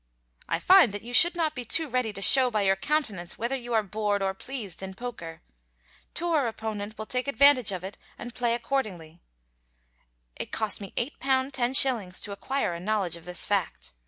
I find that you should not be too ready to show by your countenance whether you are bored or pleased in poker. Tour opponent will take advantage of it and play accordingly. It cost me £8 10s. to acquire a knowledge of this fact.